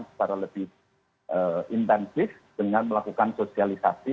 secara lebih intensif dengan melakukan sosialisasi